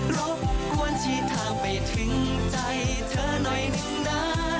รบกวนชี้ทางไปถึงใจเธอหน่อยหนึ่งนะ